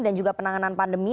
dan juga penanganan pandemi